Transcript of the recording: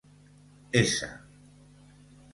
S